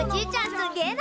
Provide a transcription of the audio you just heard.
すげえな！